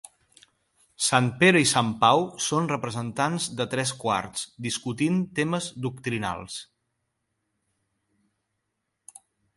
Sant Pere i Sant Pau són representats de tres quarts, discutint temes doctrinals.